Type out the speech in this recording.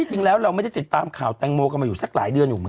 เราจะติดข่าวแตงโมกับมันอยู่สักหลายเดือนเหมือนกัน